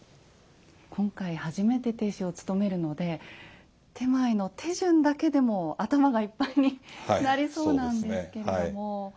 今回初めて亭主をつとめるので点前の手順だけでも頭がいっぱいになりそうなんですけれども。